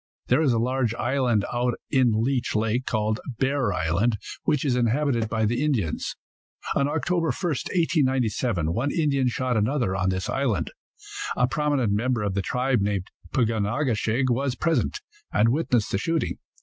There is a large island out in Leech lake, called Bear island, which is inhabited by the Indians. On Oct. 1, 1897, one Indian shot another on this island. A prominent member of the tribe named Pug on a ke shig was present, and witnessed the shooting.